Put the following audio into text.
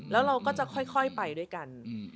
แล้วเราก็จะค่อยไปด้วยกัน